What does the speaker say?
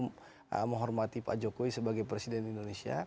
mengetahui bagaimana pak prabowo menghormati pak jokowi sebagai presiden indonesia